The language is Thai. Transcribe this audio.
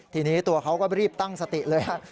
ทีนี้ตัวเขาก็รีบตั้งสติเลยฮะ